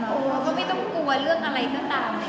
โอ้ก็ไม่ต้องกลัวเรื่องอะไรก็ตาม